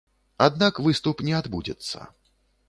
Аднак выступ не адбудзецца.